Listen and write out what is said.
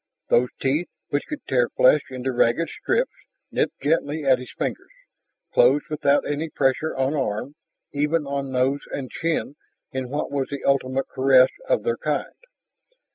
Those teeth, which could tear flesh into ragged strips, nipped gently at his fingers, closed without any pressure on arm, even on nose and chin in what was the ultimate caress of their kind.